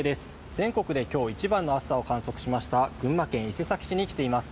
全国で今日、一番の暑さを観測しました群馬県伊勢崎市に来ています。